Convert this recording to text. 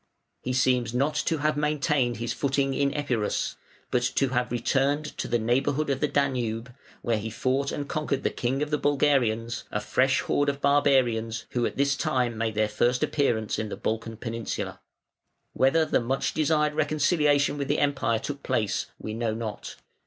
He seems not to have maintained his footing in Epirus, but to have returned to the neighbourhood of the Danube, where he fought and conquered the king of the Bulgarians, a fresh horde of barbarians who at this time made their first appearance in "the Balkan peninsula" Whether the much desired reconciliation with the Empire took place we know not.